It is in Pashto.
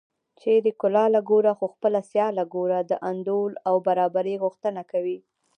چېرې کلاله ګوره خو خپله سیاله ګوره د انډول او برابرۍ غوښتنه کوي